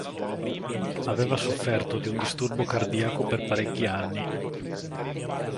Aveva sofferto di un disturbo cardiaco per parecchi anni.